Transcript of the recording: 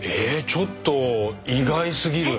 ちょっと意外すぎる。